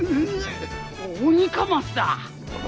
オニカマスだ！